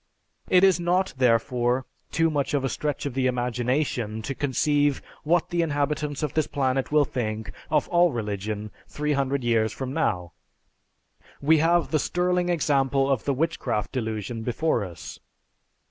It is not, therefore, too much of a stretch of the imagination to conceive what the inhabitants of this planet will think of all religion 300 years from now. We have the sterling example of the Witchcraft Delusion before us.